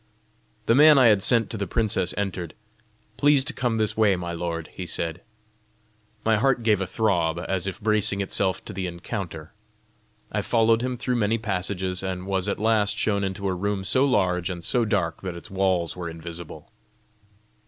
The man I had sent to the princess entered. "Please to come this way, my lord," he said. My heart gave a throb, as if bracing itself to the encounter. I followed him through many passages, and was at last shown into a room so large and so dark that its walls were invisible.